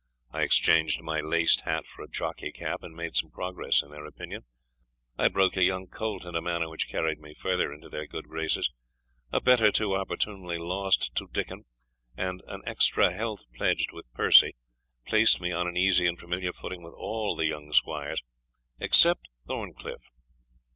I exchanged my laced hat for a jockey cap, and made some progress in their opinion; I broke a young colt in a manner which carried me further into their good graces. A bet or two opportunely lost to Dickon, and an extra health pledged with Percie, placed me on an easy and familiar footing with all the young squires, except Thorncliff.